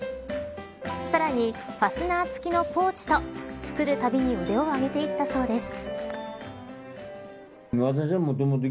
さらに、ファスナー付きのポーチと作るたびに腕を上げていったそうです。